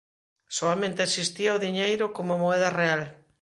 Soamente existía o diñeiro como moeda real.